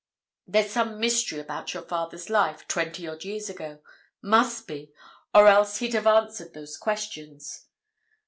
There's some mystery about your father's life, twenty odd years ago. Must be—or else he'd have answered those questions.